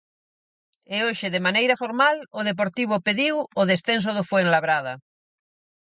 E hoxe de maneira formal o Deportivo pediu o descenso do Fuenlabrada.